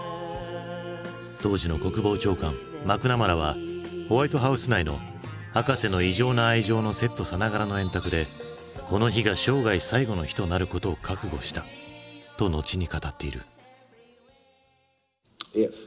当時の国防長官マクナマラはホワイトハウス内の「博士の異常な愛情」のセットさながらの円卓で「この日が生涯最後の日となることを覚悟した」と後に語っている。